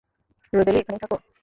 Rosalie, এখানেই থাকো!